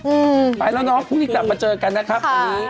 ไปแล้วน้องพรุ่งนี้กลับมาเจอกันนะครับวันนี้